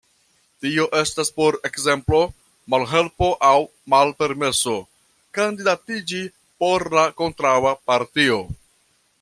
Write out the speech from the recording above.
Tio estas por ekzemplo malhelpo aŭ malpermeso kandidatiĝi por la kontraŭa partio.